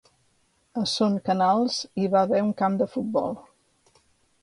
A son Canals hi va haver un camp de futbol.